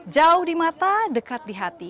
jauh di mata dekat di hati